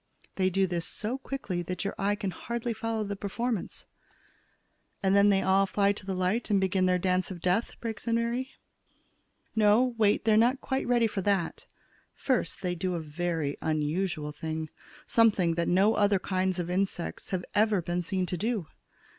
They do this so quickly that your eye can hardly follow the performance." "And then they all fly to the light and begin their dance of death," breaks in Mary. "No, wait; they are not yet quite ready for that. First, they do a very unusual thing; something that no other kinds of insects have ever been seen to do.